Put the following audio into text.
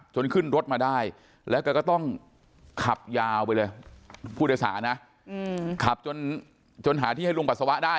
ขึ้นรถมาได้แล้วแกก็ต้องขับยาวไปเลยผู้โดยสารนะขับจนหาที่ให้ลุงปัสสาวะได้